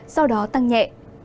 sau đó tăng nhẹ